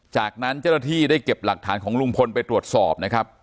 จากนั้นเจ้าหน้าที่ได้เก็บหลักฐานของลุงพลไปตรวจสอบนะครับ